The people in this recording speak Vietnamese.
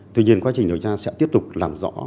tuy nhiên quá trình điều tra sẽ tiếp tục làm rõ